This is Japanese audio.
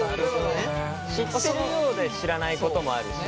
知ってるようで知らないこともあるしね。